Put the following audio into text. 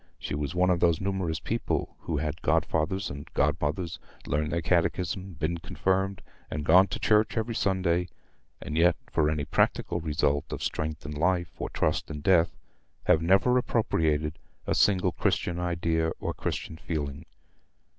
She was one of those numerous people who have had godfathers and godmothers, learned their catechism, been confirmed, and gone to church every Sunday, and yet, for any practical result of strength in life, or trust in death, have never appropriated a single Christian idea or Christian feeling.